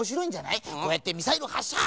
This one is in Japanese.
こうやってミサイルはっしゃ！